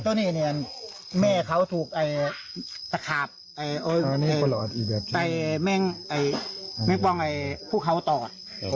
ตอนนี้แม่เขาถูกตะขาพแต่แม่บ้างพวกเขาตอด